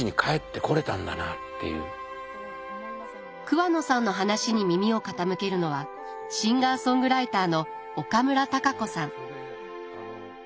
桑野さんの話に耳を傾けるのはシンガーソングライターの岡村孝子さん。